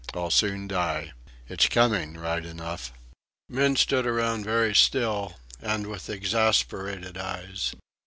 I'll soon die.... It's coming right enough!" Men stood around very still and with exasperated eyes.